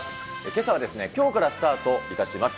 けさはきょうからスタートいたします